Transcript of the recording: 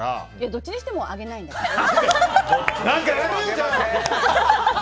どっちにしてもあげないんだけど。